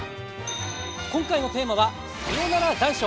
今回のテーマは「さよなら残暑！